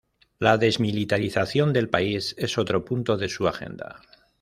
La desmilitarización del país es otro punto de su agenda.